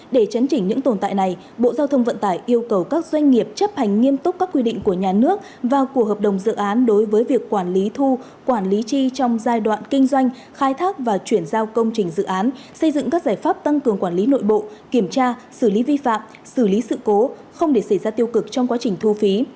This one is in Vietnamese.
để chấn chỉnh những tồn tại này bộ giao thông vận tải yêu cầu các doanh nghiệp chấp hành nghiêm túc các quy định của nhà nước và của hợp đồng dự án đối với việc quản lý thu quản lý chi trong giai đoạn kinh doanh khai thác và chuyển giao công trình dự án xây dựng các giải pháp tăng cường quản lý nội bộ kiểm tra xử lý vi phạm xử lý sự cố không để xảy ra tiêu cực trong quá trình thu phí